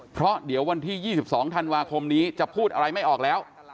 เพราะเดี๋ยววันที่๒๒ธันวาคมนี้จะพูดอะไรไม่ออกแล้ว